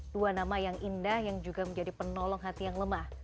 dua nama yang indah yang juga menjadi penolong hati yang lemah